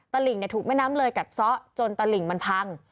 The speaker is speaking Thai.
ตลิ่งถูกแม่น้ำเลยกัดซะจนตะหลิ่งมันพัง